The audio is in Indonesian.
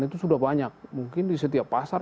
itu sudah banyak mungkin di setiap pasar